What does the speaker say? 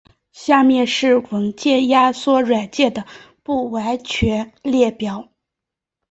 下面是文件压缩软件的不完全列表。